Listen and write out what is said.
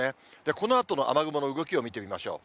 このあとの雨雲の動きを見てみましょう。